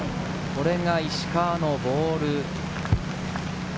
これが石川のボール。